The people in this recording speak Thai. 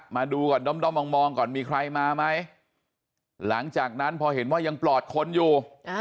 มาดูก่อนด้อมมองก่อนมีใครมาไหมหลังจากนั้นพอเห็นว่ายังปลอดคนอยู่